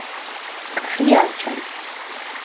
კარი არ ჩანს.